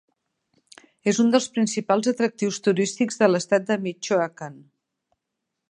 És un dels principals atractius turístics de l'estat de Michoacán.